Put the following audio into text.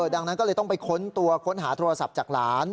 ดังนั้นก็เลยต้องไปค้นตัวค้นหาโทรศัพท์จากหลาน